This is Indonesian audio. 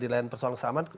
di lain persoalan kesamaan